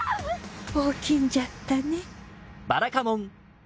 おおきんじゃったね。